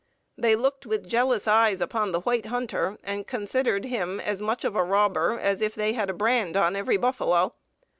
They looked with jealous eyes upon the white hunter, and considered him as much of a robber as if they had a brand on every buffalo.